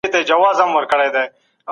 د ملکيت حق په ډېرو ايتونو کي بيان سوی دی.